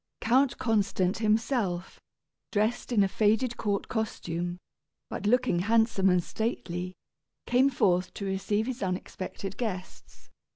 Count Constant himself, dressed in a faded court costume, but looking handsome and stately, came forth to receive his unexpected guests.